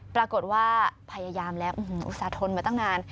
ปรากฏว่าพยายามแล้วอุตส่าหนมาตั้งนาน